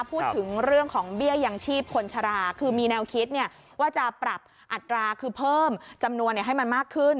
พูดถึงเรื่องของเบี้ยยังชีพคนชะลาคือมีแนวคิดว่าจะปรับอัตราคือเพิ่มจำนวนให้มันมากขึ้น